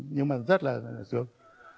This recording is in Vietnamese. nhưng mà rất là sướng